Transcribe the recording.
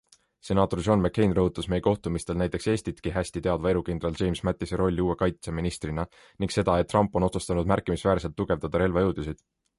Senaator John McCain rõhutas meie kohtumistel näiteks Eestitki hästi teadva erukindral James Mattise rolli uue kaitseministrina ning seda, et Trump on otsustanud märkimisväärselt tugevdada relvajõudusid.